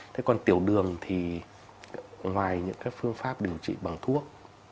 thế còn tiểu đường thì ngoài những cái phương pháp điều trị bằng thuốc